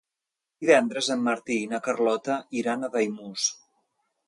Divendres en Martí i na Carlota iran a Daimús.